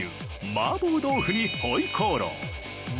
麻婆豆腐に回鍋肉。